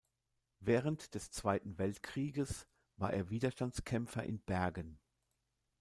Während des Zweiten Weltkrieges war er Widerstandskämpfer in Bergen.